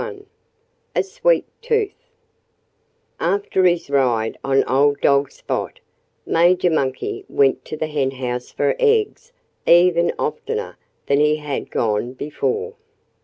XXI A Sweet Tooth After his ride on old dog Spot, Major Monkey went to the henhouse for eggs even oftener than he had gone before.